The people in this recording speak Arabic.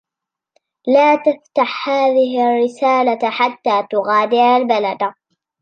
لا تفتح هذه الرّسالة حتّى تغادر البلد.